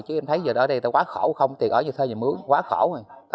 chứ em thấy giờ đó ở đây người ta quá khổ không có tiền ở nhà thơ nhà mướn quá khổ